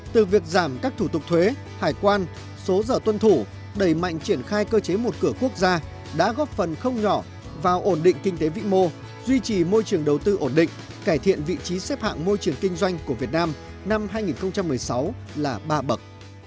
từ việc giảm các thủ tục thuế hải quan số giờ tuân thủ đẩy mạnh triển khai cơ chế một cửa quốc gia đã góp phần không nhỏ vào ổn định kinh tế vĩ mô duy trì môi trường đầu tư ổn định cải thiện vị trí xếp hạng môi trường kinh doanh của việt nam năm hai nghìn một mươi sáu là ba bậc